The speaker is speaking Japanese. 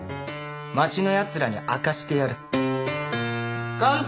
町のヤツらに明かしてやる勘太！